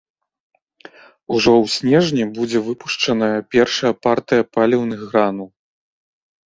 Ужо ў снежні будзе выпушчаная першая партыя паліўных гранул.